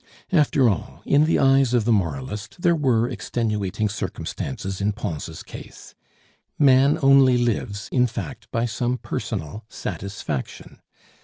After all, in the eyes of the moralist, there were extenuating circumstances in Pons' case. Man only lives, in fact, by some personal satisfaction.